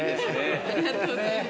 ありがとうございます。